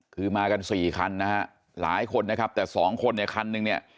คือมากันสี่คันนะฮะหลายคนนะครับแต่สองคนเนี่ยคันหนึ่งเนี่ย